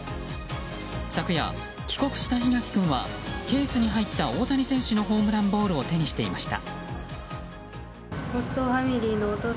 昨夜、帰国した檜垣君はケースに入った大谷選手のホームランボールを手にしていました。